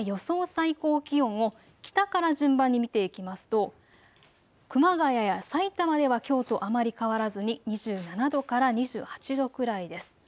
最高気温を北から順番に見ていきますと熊谷やさいたまではきょうとあまり変わらずに２７度から２８度くらいです。